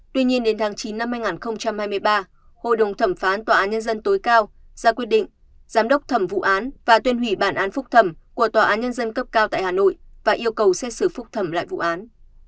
tuy nhiên đến tháng chín năm hai nghìn hai mươi ba hội đồng thẩm phán tòa án nhân dân tối cao ra quyết định giám đốc thẩm vụ án và tuyên hủy bản án phúc thẩm của tòa án nhân dân cấp cao tại hà nội và yêu cầu xét xử phúc thẩm lại vụ án